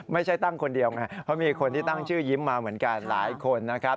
ไม่ใช่ตั้งคนเดียวไงเพราะมีคนที่ตั้งชื่อยิ้มมาเหมือนกันหลายคนนะครับ